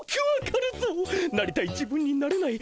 なりたい自分になれない